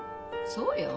そうよ。